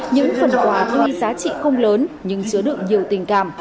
những phần quà mang giá trị không lớn nhưng chứa được nhiều tình cảm